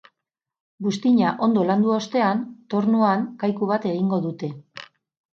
Buztina ondo landu ostean, tornuan kaiku bat egingo dute.